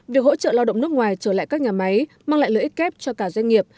việc hỗ trợ lao động nước ngoài trở lại các nhà máy mang lại lợi ích kép cho cả doanh nghiệp